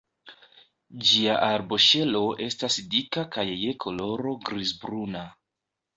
Ĝia arboŝelo estas dika kaj je koloro griz-bruna.